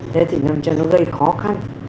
thế thì làm cho nó gây khó khăn